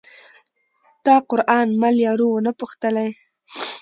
تا قران مل یارو ونه پوښتلئ